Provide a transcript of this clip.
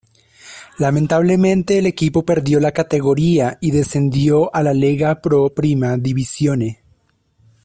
Lamentablemente el equipo perdió la categoría y descendió a la Lega Pro Prima Divisione.